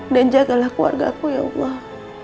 dan jagalah keluarga aku ya allah